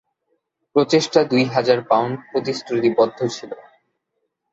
প্রচেষ্টা দুই হাজার পাউন্ড প্রতিশ্রুতিবদ্ধ ছিল।